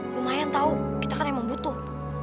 lumayan tahu kita kan emang butuh